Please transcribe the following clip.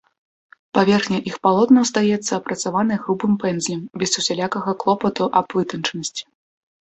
Паверхня іх палотнаў здаецца апрацаванай грубым пэндзлем без усялякага клопату аб вытанчанасці.